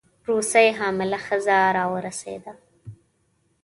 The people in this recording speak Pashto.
روسۍ حامله ښځه راورسېده.